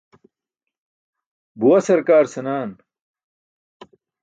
Buwa sarkaar senaan.